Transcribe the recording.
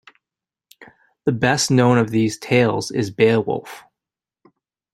The best known of these tales is "Beowulf".